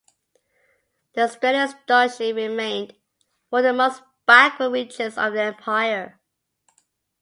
The Strelitz duchy remained one of the most backward regions of the Empire.